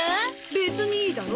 別にいいだろ。